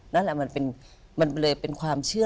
นั่นแหละมันเลยเป็นความเชื่อ